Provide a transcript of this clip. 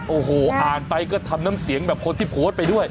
โอ้โหอ่านไปก็ทำน้ำเสียงแบบคนที่โพสต์ไปด้วย